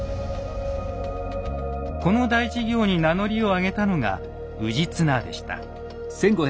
この大事業に名乗りを上げたのが氏綱でした。